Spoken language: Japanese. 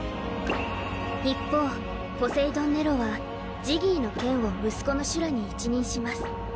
一方ポセイドン・ネロはジギーの件を息子のシュラに一任します。